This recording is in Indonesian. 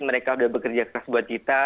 mereka sudah bekerja keras buat kita